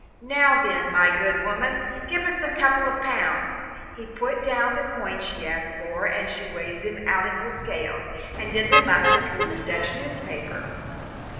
"Now, then, my good woman, give us a couple of pounds." He put down the coin she asked for, and she weighed them out in her scales, and did them up in a piece of a Dutch newspaper.